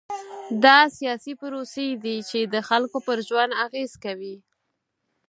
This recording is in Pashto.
دا سیاسي پروسې دي چې د خلکو پر ژوند اغېز کوي.